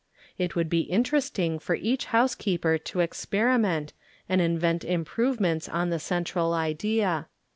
It would be interesting for each housekeeper to experiment and invent improvements on the central idea.